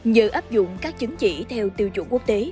nhờ áp dụng các chứng chỉ theo tiêu chuẩn quốc tế